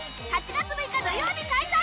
８月６日土曜日開催！